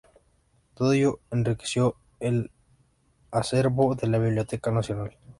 Todo ello enriqueció el acervo de la Biblioteca Nacional.